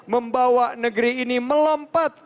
membawa negeri ini melompat